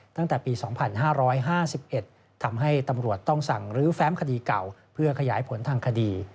ตั้งแต่ปี๒๕๕๑ทำให้ตำรวจต้องสั่งลื้อแฟ้มคดีเก่าเพื่อขยายผลทางคดี